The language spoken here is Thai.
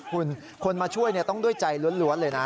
คนมาช่วยนี่ต้องด้วยใจรวดเลยนะ